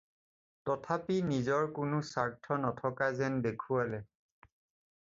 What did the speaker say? তথাপি নিজৰ কোনো স্বাৰ্থ নথকা যেন দেখুৱালে।